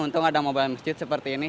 untung ada mobile masjid seperti ini